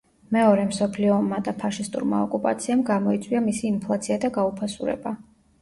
მეორე მსოფლიო ომმა და ფაშისტურმა ოკუპაციამ გამოიწვია მისი ინფლაცია და გაუფასურება.